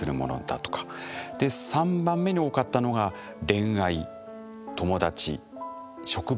で３番目に多かったのが恋愛・友達・職場。